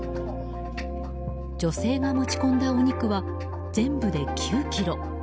女性が持ちこんだお肉は全部で９ｋｇ。